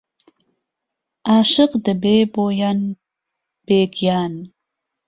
عاشق دەبێ بۆیان بێگیان